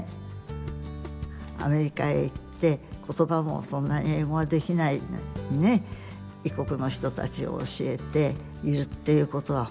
アメリカへ行って言葉もそんなに英語もできないのにね異国の人たちを教えているっていうことは本当に。